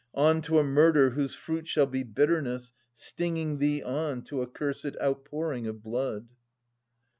On to a murder whose fruit shall be bitterness, stinging thee on To accursed outpouring of blood.